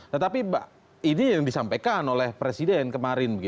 tetapi ini yang disampaikan oleh presiden kemarin